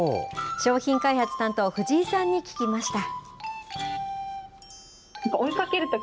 商品開発担当、藤井さんに聞きました。